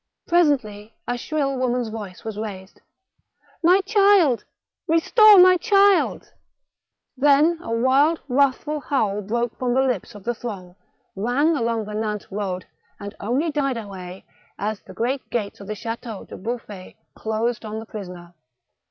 Presently a shrill woman's voice was raised :—My child ! restore my child !" Then a wild, wrathful howl broke from the lips of the throng, rang along the Nantes road, and only died THE mar:^chal de retz. 191 away, as the great gates of the Chateau de Bouflfay closed on the prisoner.